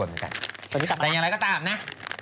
แต่อย่างไรก็ตามนะ